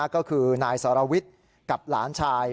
ก็คือนายสรวิทย์กับหลานชาย